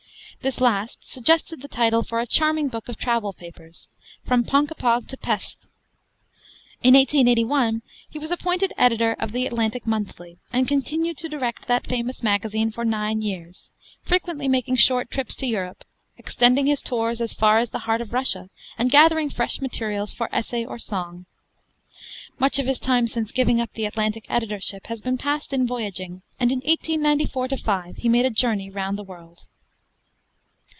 This last suggested the title for a charming book of travel papers, 'From Ponkapog to Pesth.' In 1881 he was appointed editor of the Atlantic Monthly, and continued to direct that famous magazine for nine years, frequently making short trips to Europe, extending his tours as far as the heart of Russia, and gathering fresh materials, for essay or song. Much of his time since giving up the Atlantic editorship has been passed in voyaging, and in 1894 5 he made a journey around the world.